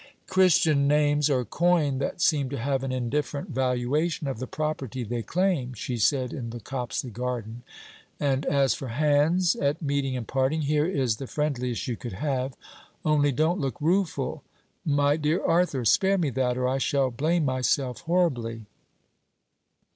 'Christian names are coin that seem to have an indifferent valuation of the property they claim,' she said in the Copsley garden; 'and as for hands, at meeting and parting, here is the friendliest you could have. Only don't look rueful. My dear Arthur, spare me that, or I shall blame myself horribly.'